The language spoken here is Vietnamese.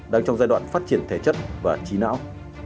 đang trong giai đoạn phát triển thể chất và trí não